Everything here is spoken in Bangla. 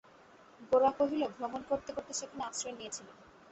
গোরা কহিল, ভ্রমণ করতে করতে সেখানে আশ্রয় নিয়েছিলুম।